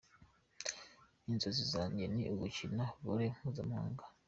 Inzozi zanjye ni ugukina Volley mpuzamahanga".